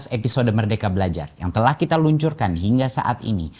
episode merdeka belajar yang telah kita luncurkan hingga saat ini